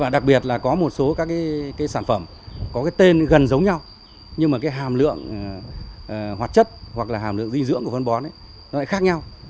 đặc biệt là có một số sản phẩm có tên gần giống nhau nhưng hàm lượng hoạt chất hoặc hàm lượng dinh dưỡng của phân bón khác nhau